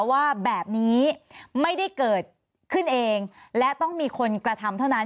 ว่าแบบนี้ไม่ได้เกิดขึ้นเองและต้องมีคนกระทำเท่านั้น